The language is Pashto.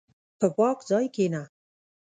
په پاک ځای کښېنه.